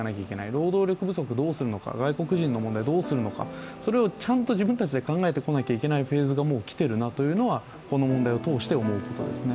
労働力不足をどうするのか、外国人の問題をどうするのか、それをちゃんと自分たちで考えなきゃいけないフェーズがもう来ているんじゃないかというのはこの問題を通して思うことですね。